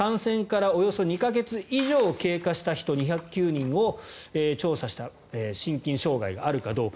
感染からおよそ２か月以上経過した人２０９人を調査した心筋障害があるかどうか。